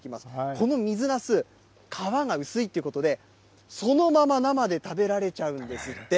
この水なす、皮が薄いということで、そのまま生で食べられちゃうんですって。